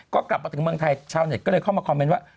ก็กลับมาถึงเมืองไทยชาวเน็ตก็เลยเข้ามาคอมเมนต์ว่า